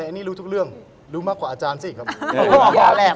อันนี้รู้ทุกเรื่องรู้มากกว่าอาจารย์สิครับ